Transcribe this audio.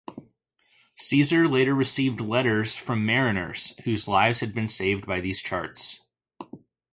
Caesar later received letters from mariners whose lives had been saved by these charts.